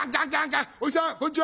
「おじさんこんちは」。